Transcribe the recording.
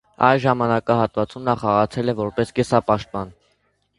Այս ժամանակահատվածում նա խաղացել է որպես կիսապաշտպան։